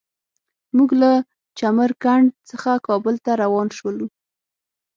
موږ له چمر کنډ څخه کابل ته روان شولو.